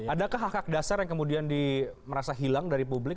adakah hak hak dasar yang kemudian di merasa hilang dari publik